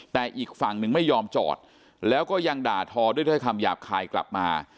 แต่อีกฝั่งหนึ่งไม่ยอมจอดแล้วก็ยังด่าทอด้วยคำหยาบคายกลับมา